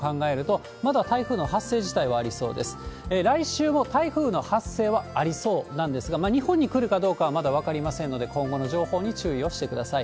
来週も台風の発生はありそうなんですが、日本に来るかどうかはまだ分かりませんので、今後の情報に注意をしてください。